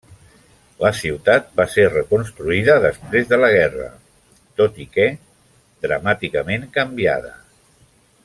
La ciutat va ser reconstruïda després de la guerra, tot i que dramàticament canviada.